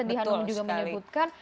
di hanum juga menyebutkan